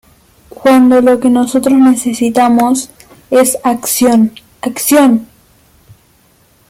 Cuando lo que nosotros necesitamos es acción, ¡acción!".